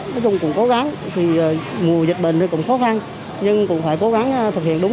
nói chung cũng cố gắng mùa dịch bệnh cũng khó khăn nhưng cũng phải cố gắng thực hiện đúng